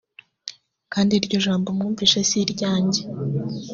kandi iryo jambo mwumvise si iryanjye